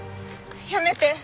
やめて！